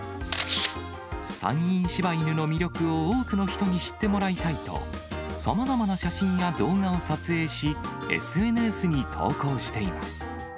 山陰柴犬の魅力を多くの人に知ってもらいたいと、さまざまな写真や動画を撮影し、ＳＮＳに投稿しています。